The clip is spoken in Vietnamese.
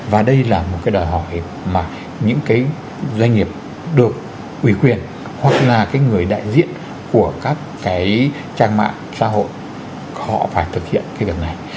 và đây là một cái đòi hỏi mà những cái doanh nghiệp được ủy quyền hoặc là cái người đại diện của các cái trang mạng xã hội họ phải thực hiện cái việc này